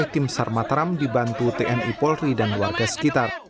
tim sar mataram dibantu tni polri dan warga sekitar